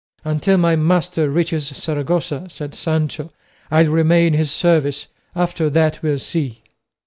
"Until my master reaches Saragossa," said Sancho, "I'll remain in his service; after that we'll see."